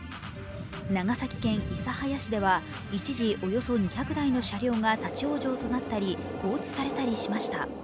長崎県諫早市では一時およそ２００台の車両が立往生となったり放置されたりしました。